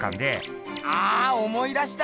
あ思い出した！